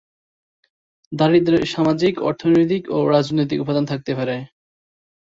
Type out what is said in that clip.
দারিদ্র্যের সামাজিক, অর্থনৈতিক ও রাজনৈতিক উপাদান থাকতে পারে।